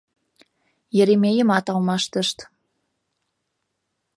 Еремейымат алмаштышт.